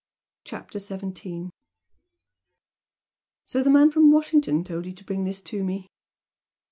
CHAPTER XVII "So the man from Washington told you to bring this to me?"